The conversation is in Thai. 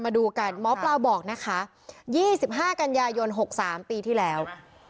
มาดูกันหมอปลาบอกนะคะ๒๕กันยายน๖๓ปีที่แล้ว